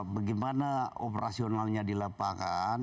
bagaimana operasionalnya dilapakkan